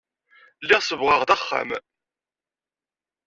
Lliɣ sebbɣeɣ-d axxam.